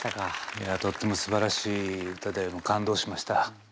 いやとってもすばらしい歌で感動しました。